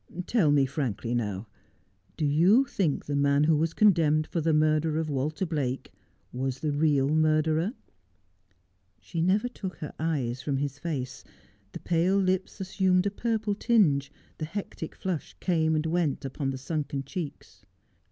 ' Tell me frankly, now, do you think the man who was condemned for the murder of "Walter Blake was the real murderer ?' She never took her eyes from his face. The pale lips assumed a purple tinge, the hectic flush came and went upon the sunken cheeks.